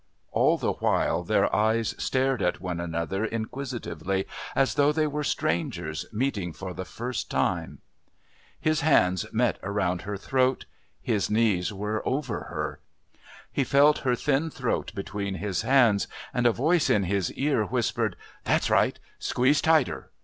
All the while their eyes stared at one another inquisitively, as though they were strangers meeting for the first time. His hands met round her throat. His knees were over her. He felt her thin throat between his hands and a voice in his ear whispered, "That's right, squeeze tighter.